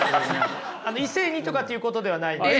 異性にとかっていうことではないんですかね。